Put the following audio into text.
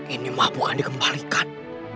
ini mah bukan dikembalikan